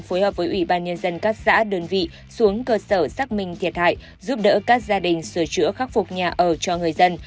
phối hợp với ủy ban nhân dân các xã đơn vị xuống cơ sở xác minh thiệt hại giúp đỡ các gia đình sửa chữa khắc phục nhà ở cho người dân